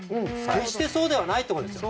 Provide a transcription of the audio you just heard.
決してそうではないと思います。